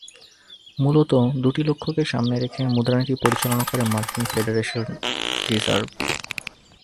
মূলত দুটি লক্ষ্যকে সামনে রেখে মুদ্রানীতি পরিচালনা করে মার্কিন ফেডারেল রিজার্ভ।